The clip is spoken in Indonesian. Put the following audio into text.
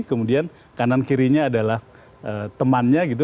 kemudian kanan kirinya adalah temannya gitu